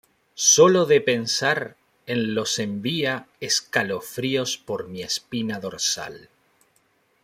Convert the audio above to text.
Sólo de pensar en los envía escalofríos por mi espina dorsal.